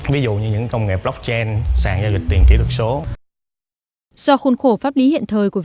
ví dụ như những công nghệ blockchain